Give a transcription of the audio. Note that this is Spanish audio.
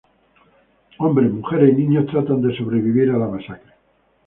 Hombres, mujeres y niños tratan de sobrevivir a la masacre.